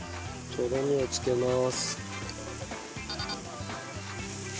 とろみを付けます。